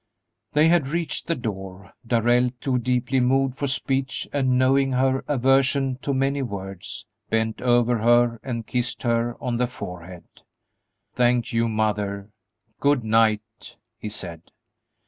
They had reached the door; Darrell, too deeply moved for speech and knowing her aversion to many words, bent over her and kissed her on the forehead. "Thank you, mother; good night!" he said.